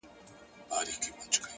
ژور فکر تېروتنې کموي.!